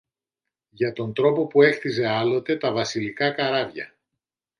για τον τρόπο που έχτιζε άλλοτε τα βασιλικά καράβια